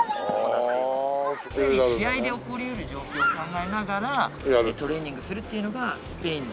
常に試合で起こりうる状況を考えながらトレーニングするっていうのがスペインで。